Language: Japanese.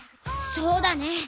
そうだね。